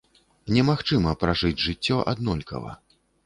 Немагчыма пражыць жыццё аднолькава.